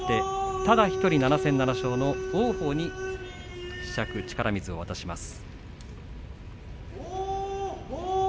ただ１人、７戦７勝の王鵬に力水を渡しました。